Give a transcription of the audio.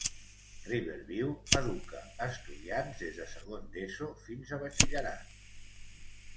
Riverview educa estudiants des de segon d'ESO fins a Batxillerat.